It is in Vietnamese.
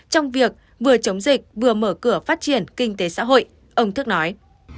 trong việc vừa chống dịch vừa mở cửa phát triển kinh tế xã hội ông thức nói